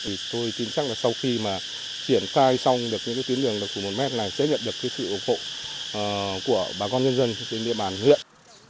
thì tôi tin chắc là sau khi mà triển khai xong được những cái tuyến đường đặc thù một m này sẽ nhận được cái sự ủng hộ của bà con nhân dân trên địa bàn huyện